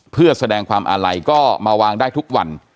เพื่อแสดงความอาลัยก็มาวางได้ทุกวัน